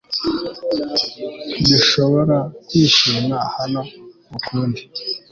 Ntidushobora kwishima hano ukundi